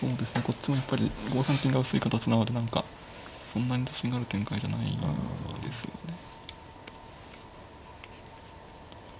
こっちもやっぱり５三金が薄い形なので何かそんなに自信がある展開じゃないですよね。